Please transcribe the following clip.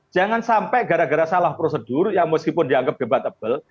jangan sampai gara gara salah prosedur yang meskipun dianggap debatable